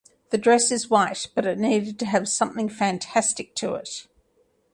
The dress is white but it needed to have something fantastic to it.